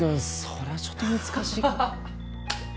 それはちょっと難しいかもハハハ